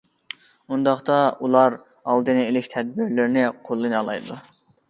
ئۇنداقتا، ئۇلار ئالدىنى ئېلىش تەدبىرلىرىنى قوللىنالايدۇ.